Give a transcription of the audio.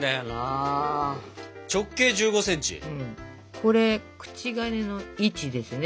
これ口金の位置ですね。